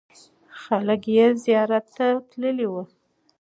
خلک یې زیارت ته تللې وو.